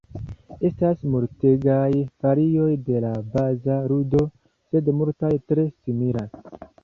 Estas multegaj varioj de la baza ludo, sed multaj tre similas.